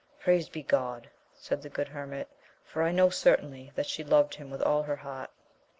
Praised be Gk)d ! said the good hermit, for I know certainly that she loved him with all her heart.